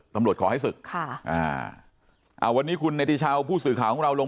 ตำรวจไม่ได้จับศึก